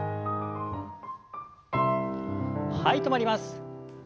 はい止まります。